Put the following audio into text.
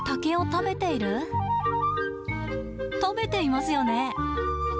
食べていますよね。